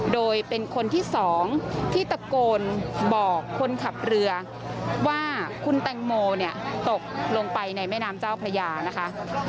โดยเป็นคนที่๒ที่ตะโกนบอกคนขับเรือว่าคุณแตงโมเนี่ยตกลงไปในแม่น้ำเจ้าพระยานะคะ